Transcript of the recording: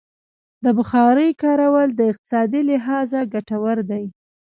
د بخارۍ کارول د اقتصادي لحاظه ګټور دي.